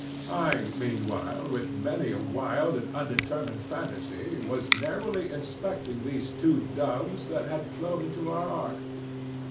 I, meanwhile, with many a wild and undetermined fantasy was narrowly inspecting these two doves that had flown into our ark.